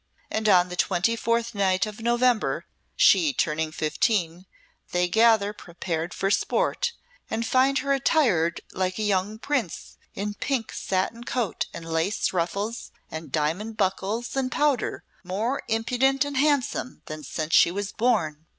And on the twenty fourth night of November, she turning fifteen, they gather prepared for sport, and find her attired like a young prince, in pink satin coat and lace ruffles and diamond buckles and powder; more impudent and handsome than since she was born.